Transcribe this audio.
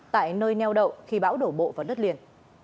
tại nơi neo đậu khi bão đổ bộ vào đất liền